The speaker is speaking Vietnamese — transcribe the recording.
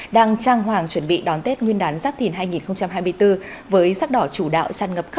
đang trang hoàng chuẩn bị đón tết nguyên đán giác thìn hai nghìn hai mươi bốn với giác đỏ chủ đạo trăn ngập khắp